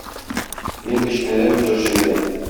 Мин кечкенәдән үк җырчы идем.